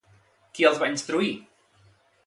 Qui els va instruir?